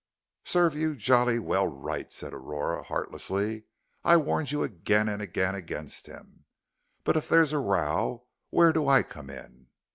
"Serve you jolly well right," said Aurora, heartlessly. "I warned you again and again against him. But if there's a row, where do I come in?"